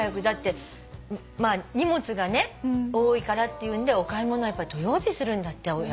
だって荷物がね多いからっていうんでお買い物は土曜日するんだって。